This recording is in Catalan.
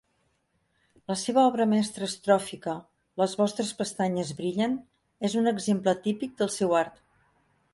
La seva obra mestra estròfica "Les vostres pestanyes brillen" és un exemple típic del seu art.